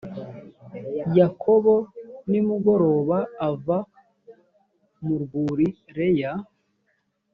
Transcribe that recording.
yakobo nimugoroba ava mu rwuri leya